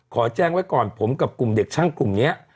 ขอแจ้งไว้ก่อนผมกับกลุ่มเด็กช่างกลุ่มนี้